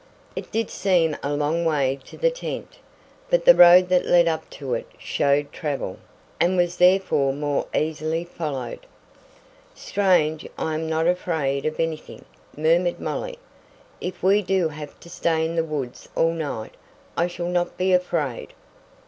It did seem a long way to the tent, but the road that led up to it showed travel, and was therefore more easily followed. "Strange I am not afraid of anything," murmured Molly. "If we do have to stay in the woods all night, I shall not be afraid."